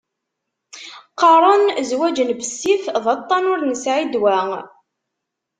Qaren zzwaǧ n bessif, d aṭṭan ur nesεi ddwa.